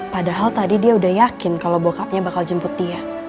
padahal tadi dia udah yakin kalau bokapnya bakal jemput dia